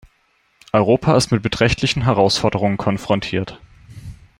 Europa ist mit beträchtlichen Herausforderungen konfrontiert.